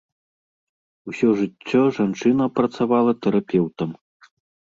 Усё жыццё жанчына працавала тэрапеўтам.